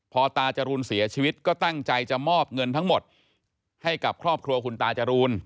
พอตาจรูนเสียชีวิตก็ตั้งใจจะมอบเงินทั้งหมดให้กับครอบครัวคุณตาจรูน